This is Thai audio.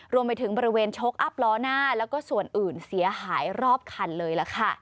รวมไปถึงบริเวณโชคอัพล้อหน้าแล้วก็ส่วนอื่นเสียหายรอบคันเลยล่ะค่ะ